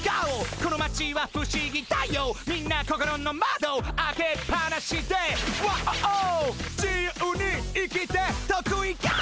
「この町は不思議だよみんな心のまど開けっぱなしでワオ」「自由に生きて得意がお」